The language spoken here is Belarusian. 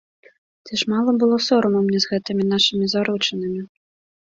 Ці ж мала было сораму мне з гэтымі нашымі заручынамі?